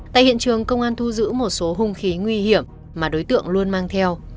tại hiện trường công an thu giữ một số hung khí nguy hiểm mà đối tượng luôn mang theo